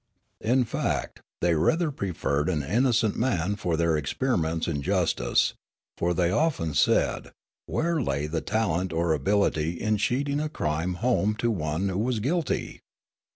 In fact, they rather preferred an innocent man for their experiments in justice; for, they often said, where lay the talent or ability in sheeting a crime home to one who was guilty